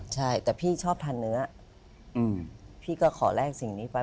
ใช่แต่พี่ชอบทานเนื้อพี่ก็ขอแลกสิ่งนี้ไป